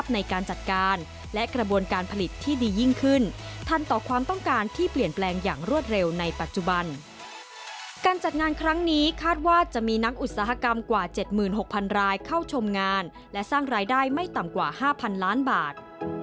การจัดการและกระบวนการผลิตที่ดียิ่งขึ้นทันต่อความต้องการที่เปลี่ยนแปลงอย่างรวดเร็วในปัจจุบันการจัดงานครั้งนี้คาดว่าจะมีนักอุตสาหกรรมกว่า๗๖๐๐รายเข้าชมงานและสร้างรายได้ไม่ต่ำกว่า๕๐๐๐ล้านบาท